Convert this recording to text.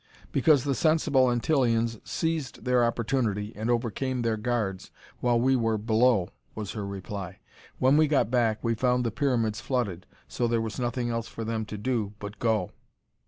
"Because the sensible Antillians seized their opportunity and overcame their guards, while we were below," was her reply. "When we got back, we found the pyramids flooded, so there was nothing else for them to do but go."